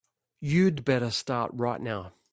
You'd better start right now.